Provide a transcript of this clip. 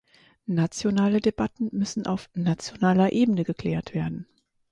Nationale Debatten müssen auf nationaler Ebene geklärt werden!